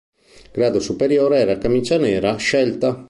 Il grado superiore era camicia nera scelta.